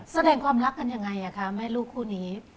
แสดงความรักกันยังไงคะแม่ลูกคู่นี้